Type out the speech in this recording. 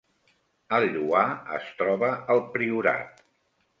El Lloar es troba al Priorat